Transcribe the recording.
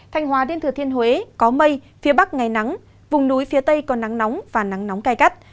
thanh hóa đến thừa thiên huế có mây phía bắc ngày nắng vùng núi phía tây có nắng nóng và nắng nóng gai gắt